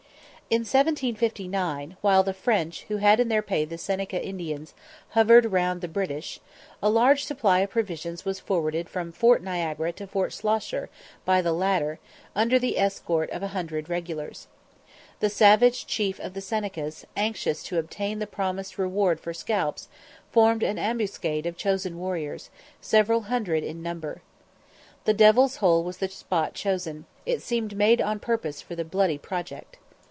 In 1759, while the French, who had in their pay the Seneca Indians, hovered round the British, a large supply of provisions was forwarded from Fort Niagara to Fort Schlosser by the latter, under the escort of a hundred regulars. The savage chief of the Senecas, anxious to obtain the promised reward for scalps, formed an ambuscade of chosen warriors, several hundred in number. The Devil's Hole was the spot chosen it seemed made on purpose for the bloody project.